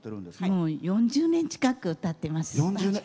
もう４０年近く歌ってます。